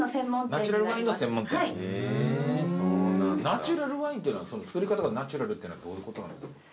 ナチュラルワインっていうのは造り方がナチュラルというのはどういうことなんですか？